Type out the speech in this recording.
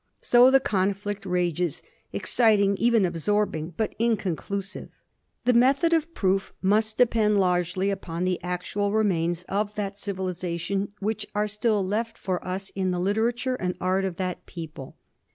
So the conflict rages, exciting, even absorbing, but inconclusive. The method of proof must depend largely upon the actual remains of that civilization which are still left for us in the literature and art of that people.